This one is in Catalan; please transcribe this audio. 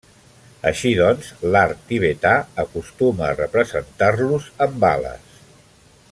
Així doncs, l'art tibetà acostuma a representar-los amb ales.